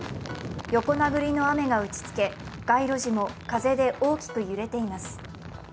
横殴りの雨が打ちつけ街路樹も風も大きく揺れています。